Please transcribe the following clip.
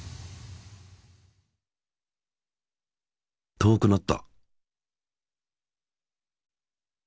遠くなった。